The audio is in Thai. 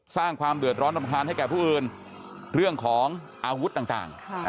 สร้างความเดือดร้อนรำคาญให้แก่ผู้อื่นเรื่องของอาวุธต่าง